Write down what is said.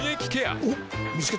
おっ見つけた。